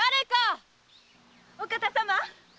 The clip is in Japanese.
お方様。